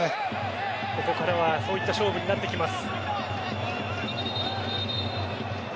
ここからはそういった勝負になっていきます。